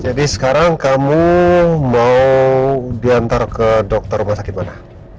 jadi sekarang kamu mau diantar ke dokter rumah sakit mana